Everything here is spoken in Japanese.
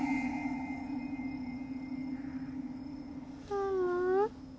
ママ。